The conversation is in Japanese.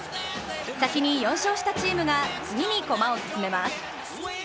先に４勝したチームが次にコマを進めます。